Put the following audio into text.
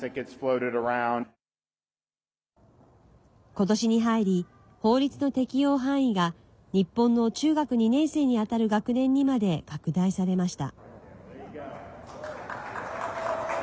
今年に入り、法律の適用範囲が日本の中学２年生にあたる学年にまで拡大されました。